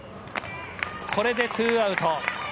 これで２アウト。